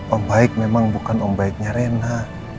oh baik memang bukan om baiknya rena